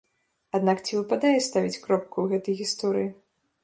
Аднак ці выпадае ставіць кропку ў гэтай гісторыі?